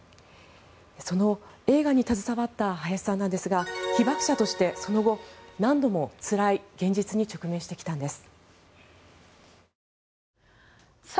その映画に携わった早志さんですが被爆者としてその後、何度もつらい現実に直面してきたんです。